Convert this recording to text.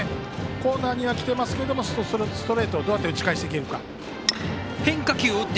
コーナーにはきてますけどストレートをどう打ち返していけるか。